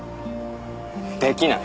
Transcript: できない